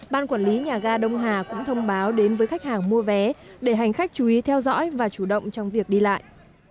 ban quản lý nhà ga đông hà cũng thông báo đến với khách hàng mua vé để hành khách chú ý theo dõi và chủ động trong việc đi lại